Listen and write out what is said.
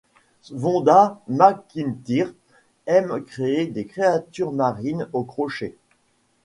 Vonda McIntyre aime créer des créatures marines au crochet.